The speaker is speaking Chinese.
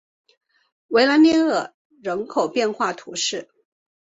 维朗涅尔人口变化图示